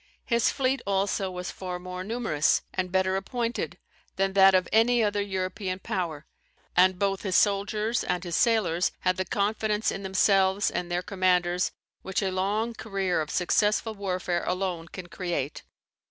His fleet, also, was far more numerous, and better appointed, than that of any other European power; and both his soldiers and his sailors had the confidence in themselves and their commanders, which a long career of successful warfare alone can create.